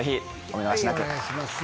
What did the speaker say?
お願いします。